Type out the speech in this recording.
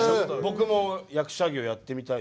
僕も役者業やってみたい。